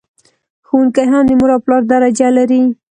ښوونکي هم د مور او پلار درجه لر...